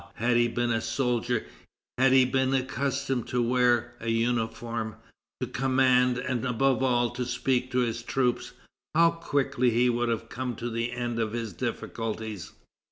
had he been a soldier, had he been accustomed to wear a uniform, to command, and, above all, to speak to his troops, how quickly he would have come to the end of his difficulties!